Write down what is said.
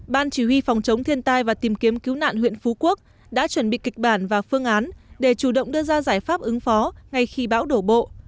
ban chỉ huy phòng chống thiên tai và tìm kiếm cứu nạn huyện phú quốc đã chuẩn bị kịch bản và phương án để chủ động đưa ra giải pháp ứng phó ngay khi bão đổ bộ